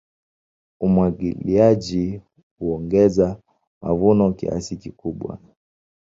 Umwagiliaji huongeza mavuno kiasi kikubwa.